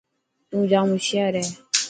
تون ڄام هوشيار هي.